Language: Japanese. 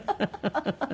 ハハハハ。